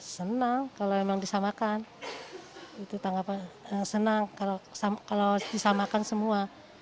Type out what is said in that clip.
senang kalau memang disamakan senang kalau disamakan semua